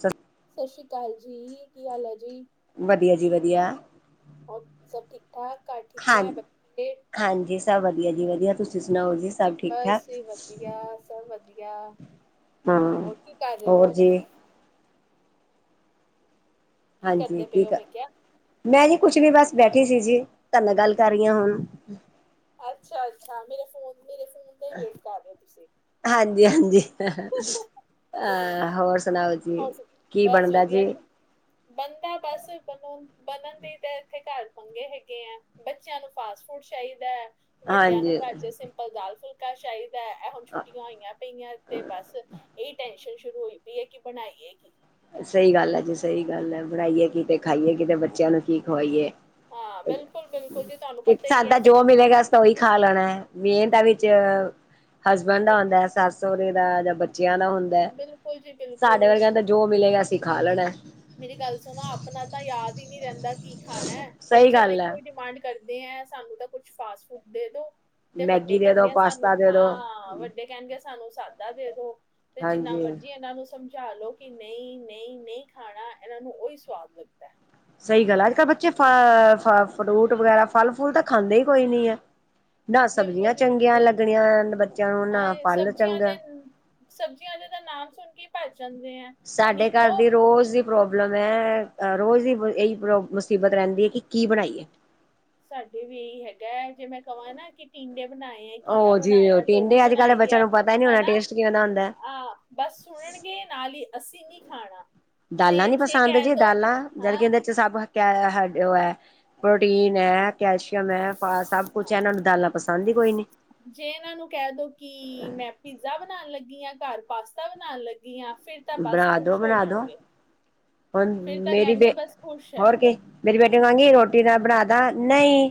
ਸ ਸਤਿ ਸ਼੍ਰੀ ਅਕਾਲ ਜੀ। ਕੀ ਹਾਲ ਹੈ ਜੀ? ਵਧੀਆ ਜੀ ਵਧੀਆ। ਹੋਰ ਸਭ ਠੀਕ ਠਾਕ ਘਰ ਠੀਕ ਹਾਂ ਐ ਬੱਚੇ? ਹਾਂਜੀ ਸਭ ਵਧੀਆ ਜੀ ਵਧੀਆ ਤੁਸੀਂ ਸੁਣਾਓ ਜੀ। ਸਭ ਠੀਕ ਠਾਕ ਬਸ ਜੀ ਵਧੀਆ ਸਭ ਵਧੀਆ। ਹਾਂ, ਹੋਰ ਕੀ ਕਰ ਰਹੇ ਹੋਰ ਹੋ ਜੀ। ਕੀ ਹਾਂਜੀ, ਕਰਦੇ ਪਏ ਕੀ ਹੋ ਕਰ ਮੈਂ ਕਿਹਾ ਮੈਂ ਜੀ ਕੁਛ ਵੀ ਬਸ ਬੈਠੀ ਸੀ ਜੀ ਤੁਹਾਡੇ ਨਾਲ ਗੱਲ ਕਰ ਰਹੀ ਹਾਂ ਹੁਣ। ਅੱਛਾ, ਅੱਛਾ ਮੇਰੇ ਫੋਨ ਮੇਰੇ ਫੋਨ ਦਾ ਹੀ ਵੇਟ ਕਰ ਰਹੇ ਹੋ ਤੁਸੀਂ। ਹਾਂਜੀ, ਹਾਂਜੀ ਅਹ ਹੋਰ ਸੁਣਾਓ ਜ ਹੋਰ ਸੁਣਾੳ ਬਸ ਵਧੀਆ ਜ ਬੰਦਾ ਬਸ ਬਣ ਬਣਨ ਦੇ ਤੇ ਇਥੇ ਘਰ ਪੰਗੇ ਹੈਗੇ ਐ, ਬੱਚਿਆਂ ਨੂੰ ਫਾਸਟ ਫੂਡ ਚਾਹੀਦਾ ਹੈ ਵੱਡਿਆਂ ਨੂੰ ਹਾਂਜੀ ਘਰ ਚ ਸਿੰਪਲ ਦਾਲ ਫੁਲ ਫੂਲਕਾ ਚਾਹੀਦਾ ਹੈ, ਇਹ ਹੁਣ ਛੁੱਟੀਆਂ ਹੋਈਆਂ ਪਈਆਂ ਤੇ ਬਸ ਇਹ ਟੈਨਸ਼ਨ ਸ਼ੁਰੂ ਹੋਈ ਪਈ ਹੈ। ਕੀ ਬਣਾਈਏ ਕੀ, ਸਹੀ ਗੱਲ ਹੈ, ਜੀ ਸਹੀ ਗੱਲ ਹੈ, ਬਣਾਈਏ ਕਿ ਤੇ ਖਾਈਏ ਕਿ ਤੇ ਬੱਚਿਆਂ ਨੂੰ ਕੀ ਖਵਾਈਏ, ਹਾਂ, ਬਿਲਕੁਲ-ਬਿਲਕੁਲ ਜੀ ਤੁਹਾਨੂੰ ਤੇ ਪਤਾ ਹੀ ਸਾਨੂੰ ਹੈ ਤੇ ਜੋ ਬੱਚੇ ਮਿਲੇਗਾ ਅਸੀਂ ਤਾ ਔਹੀ ਖਾ ਲੈਣਾ ਮੈਂਨ ਤਾਂ ਵਿੱਚ ਹਸਬੈਂਡ ਦਾ ਹੁੰਦਾ ਸੱਸ ਸਹੁਰੇ ਦਾ ਜਾਂ ਬੱਚਿਆਂ ਦਾ ਹੁੰਦਾ ਬਿਲਕੁਲ ਜੀ ਸਾਡੇ ਬਿਲਕੁਲ। ਵਰਗਿਆਂ ਤੇ ਜੋ ਮਿਲੇਗਾ ਅਸੀਂ ਖਾ ਲੈਣਾ। ਮੇਰੀ ਗੱਲ ਸੁਣੋ ਆਪਣਾ ਤਾਂ ਯਾਦ ਹੀ ਨਹੀਂ ਰਹਿੰਦਾ ਕੀ ਖਾਣਾ ਸਹੀ ਬੱਚੇ ਤਾਂ ਗੱਲ ਇੱਕੋ ਹੈ। ਹੀ ਡਿਮਾਂਡ ਕਰਦੇ ਹੈ ਸਾਨੂੰ ਤਾਂ ਕੁਛ ਫਾਸਟ ਫੂਡ ਦੇ ਦੋ, ਤੇ ਵੱਡੇ ਮੈਗੀ ਦੇ ਦੋ ਕਹਿੰਦੇ ਆ ਸਾਨੂੰ ਪਾਸਤਾ ਦੇ ਦੋ ਹਾਂ ਵੱਡੇ, ਕਹਿਣਗੇ ਸਾਨੂੰ ਸਾਦਾ ਦੇ ਦੋ ਤੇ ਜਿੰਨਾ ਹਾਂਜੀ ਮਰਜੀ ਇਹਨਾਂ ਨੂੰ ਸਮ ਸਮਝਾ ਲਓ ਕਿ ਨਹੀਂ ਨਹੀਂ ਨਹੀਂ ਖਾਣਾ ਇਹਨਾ ਨੂੰ ਉਹੀ ਸਵਾਦ ਲੱਗਦਾ। ਸਹੀ ਗੱਲ ਹੈ। ਅੱਜ ਕੱਲ ਬੱਚੇ ਫ ਫ ਫਰੂਟ ਵਗੈਰਾ ਫਲ ਫੁਲ ਤਾਂ ਖਾਂਦੇ ਹੀ ਕੋਈ ਨੀ ਹੈ। ਨਾ ਬਿਲਕੁਲ ਸਬਜ਼ੀਆਂ ਜੀ ਚੰਗੀਆਂ ਬਿਲਕੁਲ। ਲੱਗਣੀਆਂ ਬੱਚਿਆਂ ਨੂੰ ਹਾਂ, ਨਾ ਇਹ ਫਲ ਸਬਜ਼ੀਆਂ ਚੰਗਾ। ਦੇ ਸਬਜ਼ੀਆਂ ਦਾ ਤਾਂ ਨਾਮ ਸੁਣ ਕੇ ਭੱਜ ਜਾਂਦੇ ਆ। ਸਾਡੇ ਘਰ ਦੀ ਰੋਜ਼ ਪ੍ਰੋਬਲਮ ਹੈ ਰੋਜ਼ ਦੀ ਇਹੀ ਪ੍ਰੋ ਮੁਸੀਬਤ ਰਹਿੰਦੀ ਕਿ ਕੀ ਬਣਾਈਏ ਸਾਡੇ ਵੀ ਇਹੀ ਹੈਗੈ ਜੇ ਮੈਂ ਕਵਾਂ ਨਾ ਕਿ ਟੀਂਡੇ ਬਣਾਏ ਘੀਆ ਉਹ ਜੀ ਬਣਾਇਆ ਤੋਰੀ ਟੀਂਡੇ ਅੱਜ ਕੱਲ੍ਹ ਦੇ ਬਣਾਈ ਬੱਚਿਆਂ ਹੈ ਨੂੰ ਪਤਾ ਹੀ ਨਹੀਂ ਹੋਣਾ ਹਨਾ ਟੇਸਟ ਕਿਵੇਂ ਦਾ ਹੁੰਦਾ। ਆਹ ਬਸ ਸੁਣਨਗੇ ਨਾਲ ਹੀ ਅਸੀਂ ਨੀ ਖਾਣਾ ਦਾਲਾਂ ਤੇ ਨੀ ਜੇ ਪਸੰਦ ਕਹਿ ਜੀ ਦੋ ਦਾਲਾਂ ਜਦ ਹਾਂ ਕਹਿੰਦੇ ਸਭ ਹੈ ਉਹ ਹੈ ਪ੍ਰੋਟੀਨ ਹੈ ਕੈਲਸ਼ੀਅਮ ਹੈ ਫ ਸਭ ਕੁਛ ਹੈ ਹਾਂ ਇਹਨਾਂ ਨੂੰ ਦਾਲਾਂ ਪਸੰਦ ਹੀ ਕੋਈ ਨੀ ਜੇ ਇਹਨਾਂ ਨੂੰ ਕਹਿ ਦੋ ਕਿ ਮੈਂ ਪੀਜ਼ਾ ਬਨਾਣ ਲੱਗੀ ਆਂ ਘਰ ਪਾਸਤਾ ਬਨਾਣ ਲੱਗੀ ਆਂ ਫਿਰ ਤਾਂ ਬਸ ਬਣਾ ਦੋ ਖ਼ੁਸ਼ ਹੋ ਬਣਾ ਦੋ ਜਾਣਗੇ ਹੁਣ ਫਿਰ ਤਾਂ ਮੇਰੀ ਕਹਿਣਗੇ ਬੇ ਬਸ ਖੁਸ਼ ਹੈ ਹੋਰ ਕੇ ਮੇਰੀ ਬੇਟੀ ਨੂੰ ਕਹਾਂਗੀ ਰੋਟੀ ਨਾ ਬਣਾਦਾ ਨਹੀਂ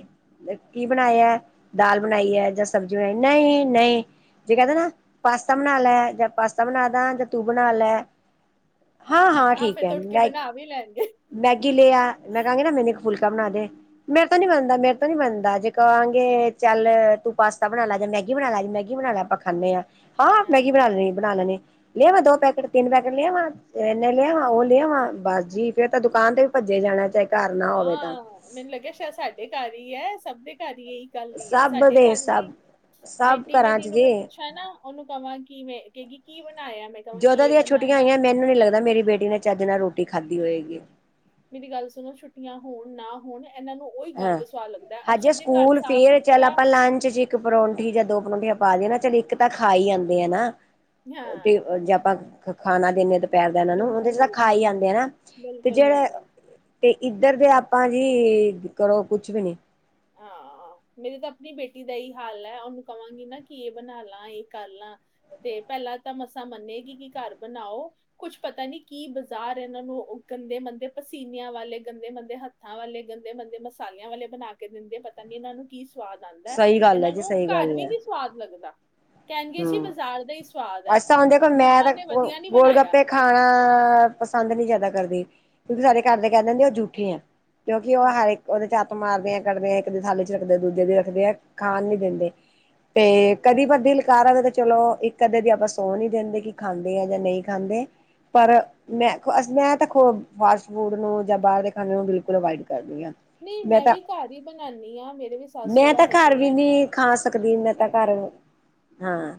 ਕੀ ਬਣਾਇਐ ਦਾਲ ਬਣਾਈ ਐ ਜਾਂ ਸਬਜ਼ੀ ਬਣਾਈ ਨਹੀਂ ਨਹੀਂ ਜੇ ਕਹਦੇ ਨਾ ਪਾਸਤਾ ਬਣਾ ਲੈ ਜਾਂ ਪਾਸਤਾ ਬਣਾਂਦਾ ਜਾਂ ਤੂੰ ਬਣਾ ਲੈ ਹਾਂ ਹਾਂ ਠੀਕ ਫੇਰ ਹੈ ਤੇ ਉੱਠ ਕੇ ਮੈਂ ਬਣਾ ਵੀ ਲੈਣਗੇ ਮੈਗੀ ਲੇ ਆ ਮੈਂ ਕਹਾਂਗੀ ਨਾ ਮੈਨੂੰ ਇੱਕ ਫੁਲਕਾ ਬਣਾ ਦੇ ਮੇਰੇ ਤੋਂ ਨੀ ਬਨਦਾ ਮੇਰੇ ਤੋਂ ਨੀ ਬਨਦਾ ਜੇ ਕਹਾਂਗੇ ਚੱਲ ਤੂੰ ਪਾਸਤਾ ਬਣਾ ਲੈ ਜਾਂ ਮੈਗੀ ਬਣਾ ਲੈ ਜ ਮੈਗੀ ਬਣਾ ਲੈ ਆਪਾਂ ਖਾਂਨੇ ਆਂ ਹਾਂ ਮੈਗੀ ਬਣਾ ਲਣੀ ਬਣਾ ਲੈਣੇ ਲੇਆਵਾਂ ਦੋ ਪੈਕੇਟ ਤਿੰਨ ਪੈਕੇਟ ਲੇਆਵਾਂ ਇੰਨੇ ਲੇਆਵਾਂ ਉਹ ਲੇਆਵਾਂ ਬਸ ਜੀ ਫੇਰ ਤਾਂ ਦੁਕਾਨ ਤੇ ਭੱਜੇ ਜਾਣੈ ਆਹੋ ਮੈਨੂੰ ਲੱਗਿਆ ਸ਼ਾਇਦ ਸਾਡੇ ਘਰ ਹੀ ਹੈ ਸਭ ਦੇ ਘਰ ਹੀ ਈ ਗੱਲ ਏ ਹੈ ਸਭ ਸਾਡੇ ਦੇ ਘਰ ਵੀ ਸਭ ਸਭ ਬੇਟੀ ਘਰਾਂ ਮੇਰੀ ਚ ਨੂੰ ਜੇ ਮੈਂ ਪੁੱਛਾਂ ਨਾ ਉਹਨੂੰ ਕਹਾਂ ਕਿ ਮੈਂ ਕਹੇਗੀ ਕੀ ਬਣਾਇਆ ਮੈਂ ਕਵਾਂਗੀ ਜਦੋਂ ਇਹ ਦੀਆਂ ਛੁੱਟੀਆਂ ਬਣਾਇਆ ਹੋਈਆਂ ਮੈਨੂੰ ਨੀ ਲੱਗਦਾ ਮੇਰੀ ਬੇਟੀ ਨੇ ਚੱਜ ਨਾਲ ਰੋਟੀ ਖਾਧੀ ਹੋਏਗੀ। ਮੇਰੀ ਗੱਲ ਸੁਣੋ ਛੁੱਟੀਆਂ ਹੋਣ ਨਾ ਹੋਣ ਇਹਨਾਂ ਨੂੰ ਉਹੀ ਹਾਂ ਗੰਦ ਸਵਾਦ ਲੱਗਦਾ ਹੈ। ਹਜੇ ਅੱਛਾ ਜੇ ਘਰ ਸਕੂਲ ਸਾਫ਼ ਫੇਰ ਚੱਲ ਸੁਥਰਾ ਆਪਾਂ ਲੰਚ ਚ ਇੱਕ ਪਰੌਂਠੀ ਜਾਂ ਦੋ ਪਰੌਂਠੀਆਂ ਪਾ ਦੀਏ ਨਾ ਚਲ ਇੱਕ ਤਾਂ ਖਾ ਹੀ ਆਂਦੇ ਆ ਨਾ ਹਾਂ ਜੇ ਆਪਾਂ ਖਾਣਾ ਦਿੰਦੇ ਹ ਇਹਨਾਂ ਨੂੰ ਉਹਦੇ ਬਿਲਕੁਲ ਚ ਤਾਂ ਖਾ ਬਿਲਕੁਲ ਹੀ ਆਂਦੇ ਆ ਨਾ, ਤੇ ਬਿਲਕੁਲ ਜਿਹੜੇ ਬਿਲਕੁਲ ਤੇ ਇੱਧਰ ਦੇ ਆਪਾਂ ਜੀ ਕਰੋ ਕੁਛ ਵੀ ਨੀ। ਹਾਂ। ਮੇਰੀ ਤਾਂ ਆਪਣੀ ਬੇਟੀ ਦਾ ਇਹੀ ਹਾਲ ਹੈ, ਉਹਨੂੰ ਕਵਾਂਗੀ ਨਾ ਕੀ ਬਣਾ ਲਾ ਇਹ ਕਰ ਲਾ ਤੇ ਪਹਿਲਾਂ ਤਾਂ ਮਸਾਂ ਮੰਨੇਗੀ ਕਿ ਘਰ ਬਣਾਓ ਕੁਛ ਪਤਾ ਨੀ ਕੀ ਬਾਜ਼ਾਰ ਇਹਨਾਂ ਨੂੰ ਗੰਦੇ ਮੰਦੇ ਪਸੀਨਿਆਂ ਵਾਲੇ ਗੰਦੇ ਮੰਦੇ ਹਥੱ ਹੱਥਾਂ ਵਾਲੇ ਗੰਦੇ ਬੰਦੇ ਮਸਾਲਿਆਂ ਵਾਲੇ ਬਣਾ ਕੇ ਦਿੰਦੇ, ਪਤਾ ਨੀ ਇਹਨਾਂ ਨੂੰ ਕੀ ਸਵਾਦ ਆਂਦੈ ਸਹੀ ਗੱਲ ਹੈ ਇਹਨਾਂ ਜੀ ਨੂੰ ਸਹੀ ਘਰ ਗੱਲ ਵੀ ਹੈ ਨੀ ਸਵਾਦ ਲੱਗਦਾ। ਕਹਿਣਗੇ ਜੀ ਹੂੰ। ਬਾਜ਼ਾਰ ਦਾ ਹੀ ਸਵਾਦ ਹੈ, ਅਸਾਂ ਹੁਣ ਦੇਖੋ ਮੈਂ ਮੰਮਾ ਤਾਂ ਨੇ ਵਧੀਆ ਨਹੀਂ ਗੋਲ ਬਣਾਇਆ। ਗੱਪੇ ਖਾਣਾ ਪਸੰਦ ਨਹੀਂ ਜਿਆਦਾ ਕਰਦੀ, ਕਿਉਂਕਿ ਸਾਡੇ ਘਰ ਦੇ ਕਹਿ ਦੇਣਗੇ ਉਹ ਜੂਠੇ ਐ। ਕਿਉਂਕਿ, ਉਹ ਹਰ ਹੂੰ ਇੱਕ ਉਹਦੇ ਚ ਮਾਰਦੇ ਆ, ਕੱਢਦੇ ਐ ਇੱਕ ਦੀ ਥਾਲੀ ਚ ਰੱਖਦੇ ਐ ਦੂਜੇ ਦੀ ਰੱਖਦੇ ਐ, ਖਾਣ ਨੀ ਦਿੰਦੇ। ਤੇ ਹੂੰ ਕਦੀ ਬਦਲ। ਚਲੋ, ਇੱਕ ਕਦੇ ਦੀ ਆਪਾਂ ਸੋਹ ਨੀ ਦਿੰਦੇ, ਕਿ ਖਾਂਦੇ ਆ ਜਾਂ ਨਹੀਂ ਖਾਂਦੇ। ਪਰ ਮੈਂ ਅ ਮੈਂ ਤਾਂ ਖ ਫਾਸਟ ਫੂਡ ਨੂੰ, ਜਾਂ ਬਾਹਰ ਦੇ ਖਾਣੇ ਨੂੰ ਬਿਲਕੁਲ ਅਵਾਇਡ ਕਰਦੀ ਆਂ। ਨਹੀਂ, ਮੈਂ ਵੀ ਘਰ ਹੀ ਬਣਾਂਦੀ ਹਾਂ, ਮੇਰੇ ਵੀ ਸੱਸ ਮੈਂ ਸੋਹਰਾ ਤਾਂ ਘਰ ਹੈਗੇ ਵੀ ਹੈ। ਨਹੀਂ ਖਾ ਸਕਦੀ ਹ ਮੈਂ ਤਾਂ ਘਰ ਨੂੰ। ਹਾਂ,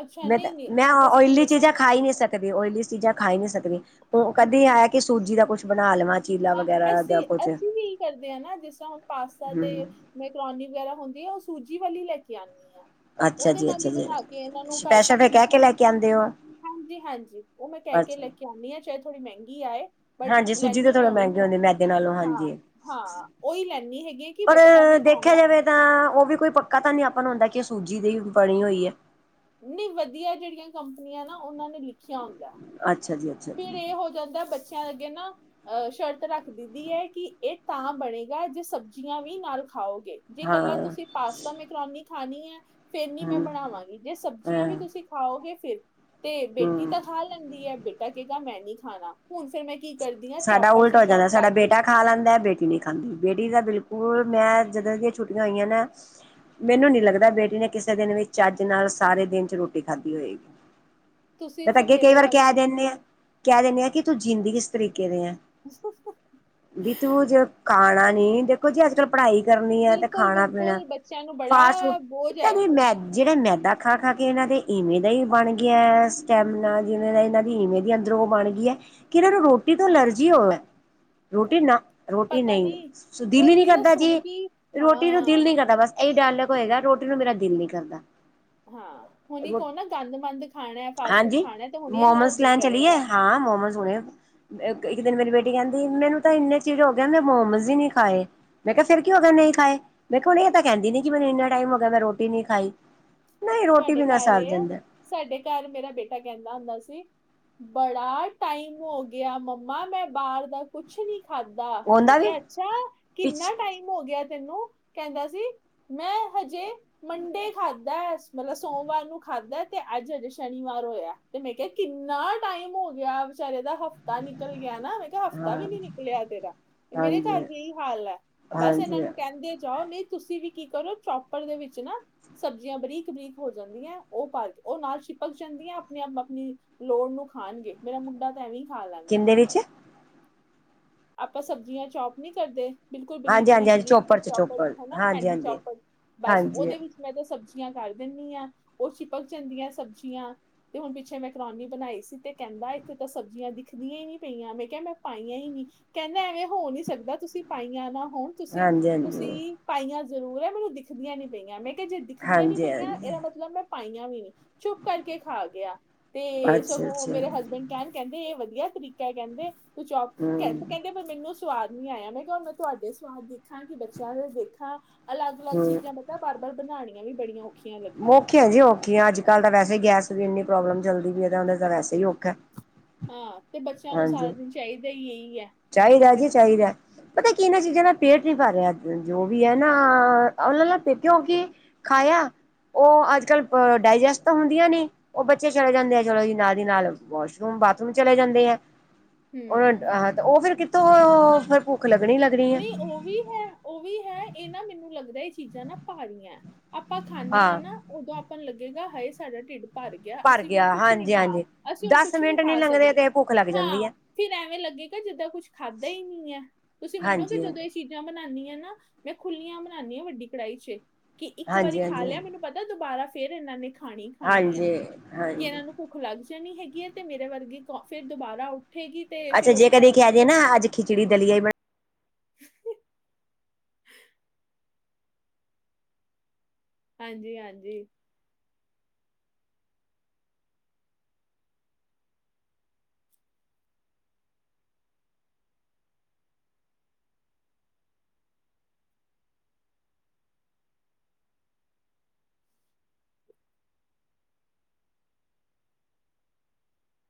ਅੱਛਾ ਮੈਂ ਤਾਂ ਨਹੀਂ-ਨਹੀਂ ਮੈਂ ਤਾਂ ਸੱਚੀ ਓਇਲੀ ਦੱਸਾਂ ਚੀਜ਼ਾਂ ਖਾ ਹੀ ਬਣਾਉਂਦੇ ਨਹੀਂ ਹਾਂ ਸਕਦੀ। ਕਦੇ ਓਇਲੀ ਚੀਜ਼ਾਂ ਖਾਈ ਨੀ ਸਕਦੀ ਉਹ ਹਮ, ਕਦੇ ਆਇਆ ਕਿ ਸੂਜੀ ਦਾ ਕੁੱਛ ਬਣਾ ਲਵਾਂ। ਚੀਲਾ ਹਾਂ, ਵਗੈਰਾ ਜਾਂ ਅਸੀਂ ਕੁਛ -ਅਸੀਂ ਹੂੰ ਵੀ ਕਰਦੇ ਹ ਨਾ ਜਿਸ ਤਰ੍ਹਾਂ ਹੁਣ ਪਾਸਤਾ ਤੇ ਮੈਕਰੋਨੀ ਵਗੈਰਾ ਹੁੰਦੀ ਆ, ਉਹ ਸੂਜੀ ਵਾਲੀ ਲੈ ਕੇ ਆਂਦੀ ਆ। ਅੱਛਾ ਉਹਦੇ ਜੀ ਨਾਲ ਹੀ ਅੱਛਾ ਜੀ ਬਣਾ ਕੇ ਇਹਨਾਂ ਨੂੰ ਘਰ ਸਪੈਸ਼ਲ ਫਿਰ ਸਬਜ਼ੀਆਂ ਕਹਿ ਕੇ ਅ। ਲੈ ਕੇ ਆਉਂਦੇ ਹੋ ਹਾਂਜੀ ਹਾਂਜੀ ਉਹ ਮੈਂ ਕਹਿ ਕੇ ਅੱਛਾ ਲੈ ਕੇ ਆਂਦੀ ਹਾਂ, ਚਾਹੇ ਥੋੜ੍ਹੀ ਮਹਿੰਗੀ ਆਏ ਬਟ ਹਾਂਜੀ ਸੂਜੀ ਤਾਂ ਲੈਂਨੀ ਆਂ। ਥੋੜਾ ਉਹੀ ਮਹਿੰਗੇ ਆ ਹੁੰਦੇ ਮੈਦੇ ਨਾਲੋਂ ਹਾਂ ਹਾਂਜੀ। -ਹਾਂ ਓਹੀ ਲੈਂਦੀ ਹੈਗੀਆ ਕਿ ਪਰ ਬੱਚਿਆਂ ਨੇ ਦੇਖਿਆ ਖਾਣਾ ਜਾਵੇ ਤਾਂ ਉਹ ਵੀ ਕੋਈ ਪੱਕਾ ਤਾਂ ਨੀ ਆਪਾਂ ਨੂੰ ਹੁੰਦਾ ਕਿ ਸੂਜੀ ਦੀ ਬਣੀ ਹੋਈ ਹੈ। ਨਹੀਂ, ਵਧੀਆ ਜਿਹੜੀਆਂ ਕੰਪਨੀਆਂ ਨਾ ਉਹਨਾਂ ਨੇ ਲਿਖਿਆ ਹੁੰਦਾ। ਅੱਛਾ ਜੀ। ਅੱਛਾ ਫਿਰ ਜੀ ਇਹ ਹੋ ਜਾਂਦਾ ਬੱਚਿਆਂ ਅੱਗੇ ਨਾ ਅਹ ਸ਼ਰਤ ਰੱਖ ਦੇਈਦੀ ਹੈ ਕਿ ਇਹ ਤਾਂ ਬਣੇਗਾ ਜੇ ਸਬਜ਼ੀਆਂ ਵੀ ਨਾਲ ਖਾਓਗੇ। ਜੇ ਹਾਂ ਇਕੱਲਾ ਤੁਸੀਂ ਪਾਸਤਾ ਮੈਂ ਮ੍ਹੋਕਰਓਨੀ ਖਾਣੀ ਹੈ ਫੇਰ ਨੀ ਹੂੰ ਮੈਂ ਬਣਾਵਾਂਗੀ, ਜੇ ਹਾਂ ਸਬਜ਼ੀਆਂ ਵੀ ਤੁਸੀਂ ਖਾਓਗੇ ਫਿਰ ਤੇ ਬੇਟੀ ਹੂੰ ਤਾਂ ਖਾ ਲੈਂਦੀ ਹੈ, ਬੇਟਾ ਕੇਹੇਗਾ ਮੈਂ ਨਹੀਂ ਖਾਣਾ ਹੁਣ ਫੇਿਰ ਮੈਂ ਕੀ ਕਰਦੀ ਹਾਂ ਸਾਡਾ ਚੌਪਰ ਉਲਟ ਚ ਹੋ ਚੌਪ ਜਾਂਦਾ, ਸਾਡਾ ਕਰਕੇ ਬੇਟਾ ਖਾ ਲੈਂਦਾ ਬੇਟੀ ਨਹੀਂ, ਹਾਂਜੀ, ਬੇਟੀ ਦਾ ਬਿਲਕੁਲ ਮੈਂ ਜਦੋਂ ਦੀਆਂ ਛੁਟੀਆਂ ਹੋਈਆਂ ਨੇ ਮੈਨੂੰ ਨੀ ਲੱਗਦਾ, ਬੇਟੀ ਨੇ ਕਿਸੇ ਦਿਨ ਵੀ ਚੱਜ ਨਾਲ ਸਾਰੇ ਦਿਨ ਚ ਰੋਟੀ ਖਾਧੀ ਹੋਏਗੀ। [unintelligible] ਮੈਂ ਤਾਂ ਫਿਰ ਅੱਗੇ ਕਈ ਮੇਰੇ ਵਾਰ ਕਹਿ ਵਾਲਾ ਦਿੰਦੇ ਆਾਂ -ਕਹਿ ਦਿੰਦੇ ਆਾਂ ਕਿ ਤੂੰ ਜੀਂਦੀ ਕਿਸ ਤਰੀਕੇ ਦੇ ਆਂ ਨਪੁਸ਼ [unintelligible] ਵੀ ਤੂੰ ਜੇ ਖਾਣਾ ਨੀ ਦੇਖੋ ਜੀ ਅੱਜ ਕੱਲ ਪੜ੍ਹਾਈ ਕਰਨੀ ਆ ਤੇ ਬਿਲਕੁਲ ਖਾਣਾ ਪੀਣਾ ਬਿਲਕੁਲ ਬੱਚਿਆਂ ਨੂੰ ਫਾਸਟ ਬੜਾ ਬੋਝ ਫੂਡਤਾ ਹੈ ਮੈਗੀ ਜਿਹੜੇ ਮੈਦਾ ਖਾ ਖਾ ਕੇ ਇਹਨਾਂ ਦੇ ਇਵੇਂ ਦਾ ਹੀ ਬਣ ਗਿਆ ਸਟੈਮਨਾ, ਜਿਵੇਂ ਇਹਨਾਂ ਦੀ ਇਵੇਜੰ, ਬਣ ਗਈ ਹੈ, ਕਿ ਇਹਨਾਂ ਨੂੰ ਰੋਟੀ ਤੋਂ ਐਲਰਜੀ ਹੋ ਹੈ, ਰੋਟੀ ਨਾ ਰੋਟੀ ਪਤਾ ਨਹੀਂ ਨੀ ਦਿਲ ਹੀ ਨਹੀਂ ਰੋਟੀ ਦਾ ਕਰਦਾ ਜੀ, ਸੁਣ ਕੇ ਰੋਟੀ ਨੂੰ ਹਾਂ ਦਿਲ ਨੀ ਕਰਦਾ ਬਸ। ਇਹ ਡਾਇਲੋਗ ਹੋਏਗਾ ਰੋਟੀ ਨੂੰ ਮੇਰਾ ਦਿਲ ਨੀ ਕਰਦਾ। ਹਾਂ, ਹੁਣ ਕਹੁ ਨਾ ਗੰਦ ਮੰੰਦ ਖਾਣਾ ਫਾਸਟ ਫੂਡ ਹਾਂਜੀ ਖਾਣਾ ਤੇ ਹੁਣ ਇਹਨਾਂ ਦਾ ਮੋਮੋਸ ਦਿਲ ਲੈਣ ਚਲੀਏ ਕਰੇਗਾ। ਹਾਂ, ਮੋਮੋਜ਼ ਹੋਣੇ। ਇੱਕ ਦਿਨ ਮੇਰੀ ਬੇਟੀ ਕਹਿੰਦੀ, ਮੈਨੂੰ ਤਾਂ ਇੰਨੇ ਚਿਰ ਹੋ ਗ ਮੈਂ ਮੋਮਸ ਹੀ ਨੀ ਖਾਏ ਮੈਂ ਕਿਹਾ ਫਿਰ ਕੀ ਹੋ ਗਿਆ ਨਹੀਂ ਖਾਏ, ਮੈਂ ਕਿਹਾ ਹੁਣ ਇਹ ਤਾਂ ਕਹਿੰਦੀ ਨੀ ਕਿ ਮੈਨੂੰ ਇੰਨਾ ਟਾਈਮ ਹੋ ਗਿਆ, ਮੈਂ ਰੋਟੀ ਨਹੀਂ ਖਾਈ। ਨਹੀਂ ਰੋਟੀ ਤੁਹਾਡੇ ਬਿਨਾ ਘਰ ਸਰ ਏ ਜਾਦਾਂ। ਸਾਡੇ ਘਰ ਮੇਰਾ ਬੇਟਾ ਕਹਿੰਦਾ ਹੁੰਦਾ ਸੀ ਬੜਾ ਟਾਈਮ ਹੋ ਗਿਆ ਮੰਮਾ ਮੈਂ ਬਾਹਰ ਦਾ ਕੁਛ ਨੀ ਖਾਧਾ ਮੈਂ ਉਹਦਾ ਵੀ ਕਿਹਾ ਅੱਛਾ ਪਿੱਛ ਕਿੰਨਾ ਟਾਈਮ ਹੋ ਗਿਆ ਤੈਨੂੰ ਕਹਿੰਦਾ ਸੀ ਮੈਂ ਹਜੇ ਮੰਡੇ ਖਾਧਾ ਮਤਲਬ ਸੋਮਵਾਰ ਨੂੰ ਖਾਧਾ ਤੇ ਅੱਜ ਹਜੇ ਸ਼ਨੀਵਾਰ ਹੋਇਆ ਤੇ ਮੈਂ ਕਿਹਾ ਕਿੰਨਾ ਟਾਈਮ ਹੋ ਗਿਆ ਵਿਚਾਰੇ ਦਾ ਹਫ਼ਤਾ ਨਿਕਲ ਗਿਆ ਨਾ ਹਫ਼ਤਾ ਵੀ ਹਾਂ ਨੀ ਨਿਕਲਿਆ ਤੇਰਾ ਮੇਰੇ ਘਰ ਹਾਂਜੀ ਇਹੀ ਹਾਲ ਹੈ ਬਸ ਇਹਨਾਂ ਹਾਂਜੀ ਨੂੰ ਕਹਿੰਦੇ ਜਾਓ ਨਹੀਂ ਤੁਸੀਂ ਵੀ ਕੀ ਕਰੋ ਚੌਪਰ ਦੇ ਵਿੱਚ ਨਾ ਸਬਜ਼ੀਆਂ ਬਰੀਕ ਬਰੀਕ ਹੋ ਜਾਂਦੀ ਹੈ ਉਹ ਪਾ ਕੇ ਉਹ ਨਾਲ ਛਿਪਕ ਜਾਂਦੀ ਹੈ ਆਪਣੇ ਆਪ ਆਪਣੀ ਲੋੜ ਨੂੰ ਖਾਣਗੇ ਮੇਰਾ ਮੁੰਡਾ ਤਾਂ ਐਵੇਂ ਹੀ ਖਾ ਲੈਂਦਾ ਕਿੰਦੇ ਵਿੱਚ ਆਪਾਂ ਸਬਜ਼ੀਆਂ ਚੌਪ ਨਹੀਂ ਕਰਦੇ ਬਿਲਕੁਲ ਬਰੀਕ, ਹਾਂਜੀ ਹਾਂਜੀ ਬਰੀਕ, ਹਾਂਜੀ ਬਰੀਕ, ਚੋਪੜ ਬਰੀਕ ਚ ਚੋਪਰ ਚੋਪੜ ਹਨਾ ਹਾਂਜੀ ਹੈਂਡੀ ਹਾਂਜੀ ਚੋਪਰ ਬਸ ਹਾਂਜੀ ਉਹਦੇ ਵਿੱਚ ਮੈਂ ਤਾਂ ਸਬਜ਼ੀਆਂ ਕਰ ਦਿੰਨੀ ਆ ਉਹ ਚਿਪਕ ਜਾਂਦੀਆਂ ਸਬਜ਼ੀਆਂ ਤੇ ਹੁਣ ਪਿੱਛੇ ਮੈਂਕਰੋਨੀ ਬਣਾਈ ਸੀ ਤੇ ਕਹਿੰਦਾ ਇੱਥੇ ਤਾਂ ਸਬਜ਼ੀਆਂ ਦਿਖਦੀਆਂ ਹੀ ਨੀ ਪਈਆਂ ਮੈਂ ਕਿਹਾ ਮੈਂ ਪਾਈਆਂ ਹੀ ਨਹੀਂ ਕਹਿੰਦਾ ਐਵੇਂ ਹੋ ਨਹੀਂ ਸਕਦਾ ਤੁਸੀਂ ਪਾਈਆਂ ਨਾ ਹੋਣ ਤੁਸੀਂ, ਹਾਂਜੀ ਹਾਂਜੀ ਤੁਸੀਂ ਪਾਈਆਂ ਜ਼ਰੂਰ ਮੈਨੂੰ ਦਿਖਦੀਆਂ ਨੀ ਪਈਆਂ। ਮੈਂ ਕਿਹਾ ਜੇ ਦਿਖਦੀਆਂ ਨੀ ਹਾਂਜੀ ਪਈਆਂ ਹਾਂਜੀ ਇਹਦਾ ਮਤਲਬ ਮੈਂ ਪਾਈਆਂ ਵੀ ਨਹੀਂ ਚੁੱਪ ਕਰਕੇ ਖਾ ਗਿਆ ਤੇ ਅੱਛਾ ਸਗੋਂ ਅੱਛਾ ਮੇਰੇ ਹਸਬੈਂਡ ਕਹਿਣ ਕਹਿੰਦੇ ਇਹ ਵਧੀਆ ਤਰੀਕਾ ਹੈ ਕਹਿੰਦੇ ਤੂੰ ਚ ਕਹਿੰ ਹਮ ਪਰ ਮੈਨੂੰ ਸਵਾਦ ਨੀ ਆਇਆ। ਮੈਂ ਕਿਹਾ ਮੈਂ ਤੁਹਾਡੇ ਸਵਾਦ ਦੇਖਾਂ ਕਿ ਬੱਚਿਆਂ ਦੇ ਦੇਖਾਂ ਅਲੱਗ ਅਲੱਗ ਚੀਜ਼ਾਂ ਹਮ ਮੈਂ ਕਿਹਾ ਬਾਰ ਬਾਰ ਬਣਾਉਣੀਆਂ ਵੀ ਬੜੀਆਂ ਔਖੀਆਂ ਲੱਗਦੀਆਂ ਔਖੀਆਂ ਜੀ ਔਖੀਆ ਅੱਜ, ਕੱਲ ਤਾਂ ਵੈਸੇ ਹੀ ਗੈਸ ਦੀ ਇੰਨੀ ਪ੍ਰੋਬਲਮ ਚੱਲਦੀ ਪਈ ਹੈ। ਉਹ ਦਾ ਵੈਸੇ ਹੀ ਔਖਾ ਹਾਂ ਤੇ ਬੱਚਿਆਂ ਨੂੰ ਸਾਰਾ ਹਾਂਜੀ ਦਿਨ ਚਾਹੀਦਾ ਹੀ ਇਹੀ ਹੈ ਚਾਹੀਦਾ ਜੀ ਕਦੇ ਚਾਹੀਦਾ ਪਤਾ ਕੀ ਇਹਨਾਂ ਚੀਜ਼ਾਂ ਨਾਲ ਪੇਟ ਨਹੀਂ ਭਰ ਰਿਹਾ ਜੋ ਵੀ ਹੈ ਨਾ ਉਹਨਾਂ ਨਾਲ ਕਿਉਂਕਿ ਖਾਇਆ ਉਹ ਅੱਜ ਕੱਲ੍ਹ ਡਾਇਜੈਸਟ ਤਾਂ ਹੁੰਦੀਆਂ ਨੀ ਉਹ ਬੱਚੇ ਚਲੇ ਜਾਂਦੇ ਆ ਚਲੋ ਜੀ ਨਾਲ ਦੀ ਨਾਲ ਵਾਸ਼ਰੂਮ ਬਾਥਰੂਮ ਚਲੇ ਜਾਂਦੇ ਆ- ਉਹ ਹਮ ਆਹ ਤੇ ਉਹ ਫੇਰ ਕਿੱਥੋਂ ਫਿਰ ਭੁੱਖ ਲੱਗਣੀ ਲੱਗਣੀ ਹੈ ਨਹੀਂ ਉਹ ਵੀ ਹੈ ਉਹ ਵੀ ਹੈ। ਇਹ ਨਾ ਮੈਨੂੰ ਲੱਗਦਾ ਇਹ ਚੀਜ਼ਾਂ ਨਾ ਭਾਰੀਆਂ ਆਪਾਂ ਖਾਂਦੇ ਹਾਂ ਨਾ ਉਦੋਂ ਆਪਾਂ ਨੂੰ ਲੱਗੇਗਾ। ਹਾਏ ਸਾਡਾ ਢਿੱਡ ਭਰ ਗਿਆ ਅਸੀਂ ਹੁਣ ਕੁਛ ਨੀ ਹਾਂਜੀ ਖਾਣਾ ਹਾਂਜੀ ਅਸੀਂ ਹੁਣ ਦਸ ਕੁਛ ਨਹੀਂ ਮਿੰਟ ਨੀ ਖਾ ਲੰਘਦੇ ਸਕਦੇ। ਤੇ ਭੁੱਖ ਲੱਗ ਜਾਂਦੀ ਹਾਂ ਹੈ ਫਿਰ ਐਵੇਂ ਲੱਗੇਗਾ। ਜਿੱਦਾਂ ਕੁਛ ਖਾਧਾ ਹੀ ਨਹੀਂ ਹੈ। ਤੁਸੀਂ ਮੰਨੋਗੇ ਹਾਂਜੀ ਕਿ ਜਦੋਂ ਇਹ ਚੀਜ਼ਾਂ ਬਣਾਉਾਨਦੀ ਆ ਨਾ ਮੈਂ ਖੁੱਲੀਆਂ ਬਣਾਉਦੀ ਹਾਂ ਵੱਡੀ ਕੜਾਹੀ ਚ ਕਿ ਇੱਕ ਵਾਰੀ ਹਾਂਜੀ ਖਾ ਹਾਂਜੀ ਲਿਆ ਮੈਨੂੰ ਪਤਾ ਦੁਬਾਰਾ ਫੇਰ ਇਹਨਾਂ ਨੇ ਖਾਣੀ, ਖਾਣੀ ਹੈ ਹਾਂਜੀ ਕਿ ਹਾਂਜੀ ਇਹਨਾਂ ਨੂੰ ਭੁੱਖ ਲੱਗ ਜਾਣੀ ਹੈਗੀ ਹੈ। ਤੇ ਮੇਰੇ ਵਰਗੀ ਕ ਫੇਰ ਦੁਬਾਰਾ ਉੱਠੇਗੀ। ਤੇ ਅੱਛਾ ਫਿਰ ਜੇ ਔਖਾ ਕਦੇ ਹੋ ਕਹਿ ਦਈਏ ਜੇ ਜਾਏਗਾ ਨਾ ਅੱਜ ਖਿਚੜੀ ਦਲੀਆ ਈ ਬਣਨਾ [unintelligible] [unintelligible] ਹਾਂਜੀ, ਹਾਂਜੀ।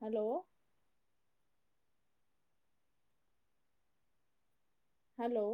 ਹੈਲੋ। ਹੈਲੋ।